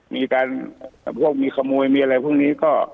มีการขมวยมีอะไรพวกนี้